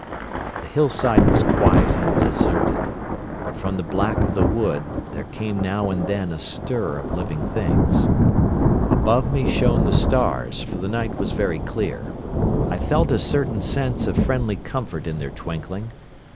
The hillside was quiet and deserted, but from the black of the wood there came now and then a stir of living things. Above me shone the stars, for the night was very clear. I felt a certain sense of friendly comfort in their twinkling.